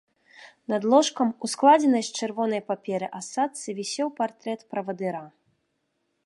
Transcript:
Над ложкам у складзенай з чырвонай паперы асадцы вісеў партрэт правадыра.